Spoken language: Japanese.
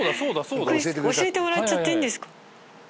これ教えてもらっちゃっていいんですか？